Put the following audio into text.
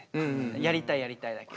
やりたいやりたいだけで。